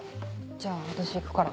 じゃあ私行くから。